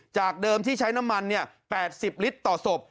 จากเดิมที่ใช้น้ำมัน๘๐ลิตรต่อศพ